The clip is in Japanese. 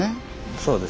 そうです。